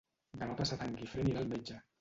Demà passat en Guifré anirà al metge.